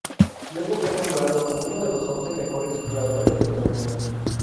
Luego fue nombrado como uno de los once mejores jugadores del torneo.